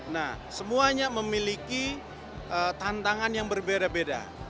nah semuanya memiliki tantangan yang berbeda beda